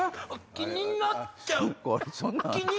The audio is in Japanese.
気になっちゃう。